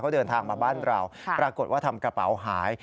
เขาเดินทางมาบ้านเราปรากฏว่าทำกระเป๋าหาย